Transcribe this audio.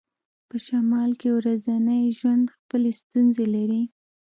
په شمال کې ورځنی ژوند خپلې ستونزې لري